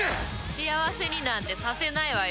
幸せになんてさせないわよ。